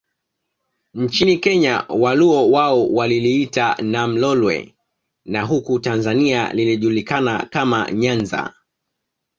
Nchini Kenya Waluo wao waliliita Nam Lolwe na huku Tanzania lilijulikana kama Nyanza